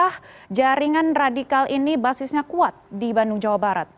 apakah jaringan radikal ini basisnya kuat di bandung jawa barat